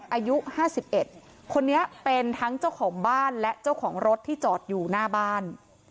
อายุ๕๑คนนี้เป็นทั้งเจ้าของบ้านและเจ้าของรถที่จอดอยู่หน้าบ้าน